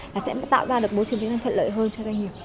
và sẽ tạo ra được môi trường kinh doanh thật lợi hơn cho doanh nghiệp